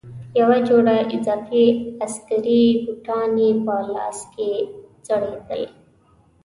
یوه جوړه اضافي عسکري بوټان یې په لاس کې ځړېدل.